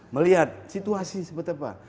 melihat situasi seperti apa